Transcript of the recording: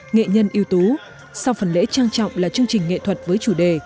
nghệ nhân ưu tú sau phần lễ trang trọng là chương trình nghệ thuật với chủ đề